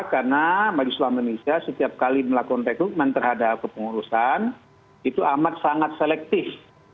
karena magisulama indonesia setiap kali melakukan rekrutmen terhadap kepengurusan itu amat sangat selektif